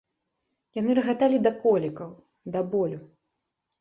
Яны рагаталі да колікаў, да болю.